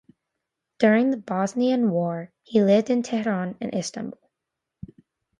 During the Bosnian War, he lived in Tehran and Istanbul.